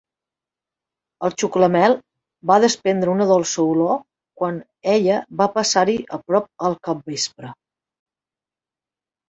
El xuclamel va desprendre una dolça olor quan ella va passar-hi a prop al capvespre.